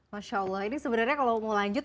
masya allah ini sebenarnya kalau mau lanjut